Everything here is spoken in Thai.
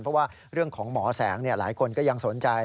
เพราะว่าเรื่องของหมอแสงหลายคนก็ยังสนใจ